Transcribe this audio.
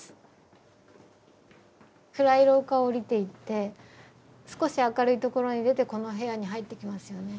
暗い廊下を下りていって少し明るいところに出てこの部屋に入ってきますよね。